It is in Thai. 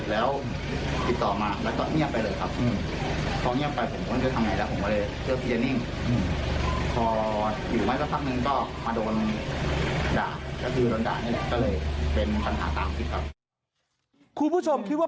ช่วงคิดว่าปัญหามันอยู่